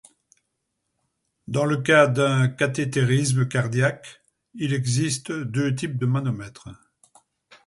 Dans le cas d'un cathétérisme cardiaque, il existe deux types de manomètres.